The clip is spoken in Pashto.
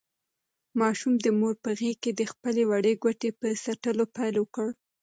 ماشوم د مور په غېږ کې د خپلې وړې ګوتې په څټلو پیل وکړ.